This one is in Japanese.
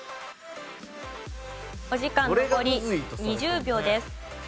お時間残り２０秒です。